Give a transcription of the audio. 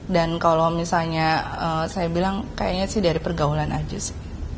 dan kalau misalnya saya bilang kayaknya sih dari pergaulan aja sih